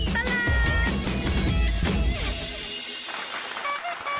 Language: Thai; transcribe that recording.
ชั่วตลอดตลาด